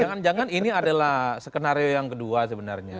jangan jangan ini adalah skenario yang kedua sebenarnya